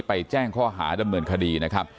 แจ้งข้อหาดำเนินคดีนะครับ